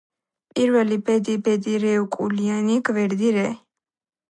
პირველი ბედი ბედი რე უკულიანი – გვერდი რე